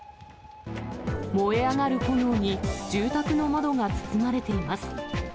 燃え上がる炎に、住宅の窓が包まれています。